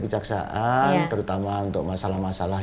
kejaksaan terutama untuk masalah